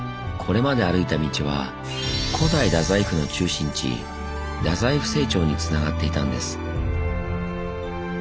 これまで歩いた道は古代大宰府の中心地大宰府政庁につながっていたんです。